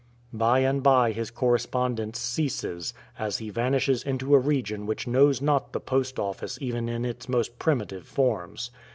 By and by his correspondence ceases, as he vanishes into a region which knows not the post office even in its most primitive forms.